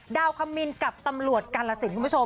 คมินกับตำรวจกาลสินคุณผู้ชม